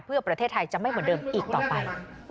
เพื่อประเทศไทยจะไม่เหมือนเดิมอีกต่อไป